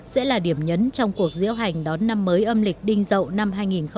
sẽ là điểm nhấn trong cuộc diễu hành đón năm mới âm lịch đinh dậu năm hai nghìn hai mươi